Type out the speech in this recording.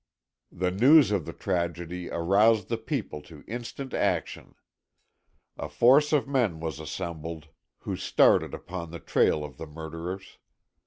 The news of the tragedy aroused the people to instant action. A force of men was assembled, who started upon the trail of the murderers.